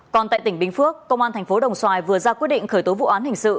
còn tại tỉnh bình phước công an thành phố đồng xoài vừa ra quyết định khởi tố vụ án hình sự